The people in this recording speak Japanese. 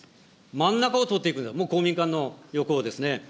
真ん中を通っていく、もう公民館の横をですね。